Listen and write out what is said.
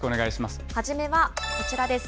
初めはこちらです。